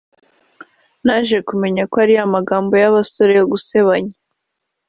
naje kumenya ko ari ya magambo y’abasore yo gusebanya”